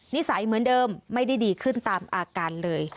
นิสัยเหมือนเดิมไม่ได้ดีขึ้นตามอาการเลย